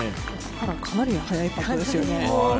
かなり速いパットですよね。